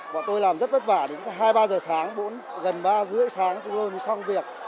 bọn tôi làm rất vất vả đến hai ba giờ sáng gần ba rưỡi sáng chúng tôi mới xong việc